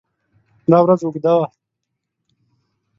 دا ورځ اوږده وه.